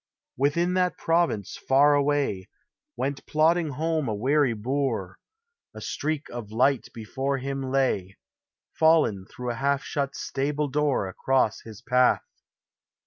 Within that province far away Went plodding home a weary boor ; A streak of light before him lay, Fallen through a half shut stable door Across his path.